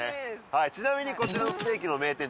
はいちなみにこちらのステーキの名店